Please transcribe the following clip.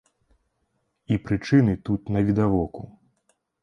І прычыны тут навідавоку.